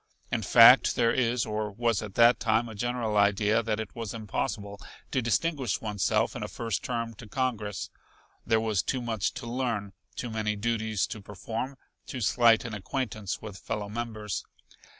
In fact there is, or was at that time a general idea that it was impossible to distinguish oneself in a first term to Congress. There was too much to learn, too many duties to perform, too slight an acquaintance with fellow members.